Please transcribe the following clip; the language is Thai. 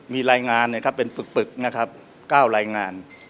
มีรายงานเป็นปึก๙รายงาน